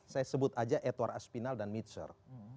saya sebut aja edward aspinal dan mitsur